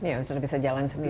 ya sudah bisa jalan sendiri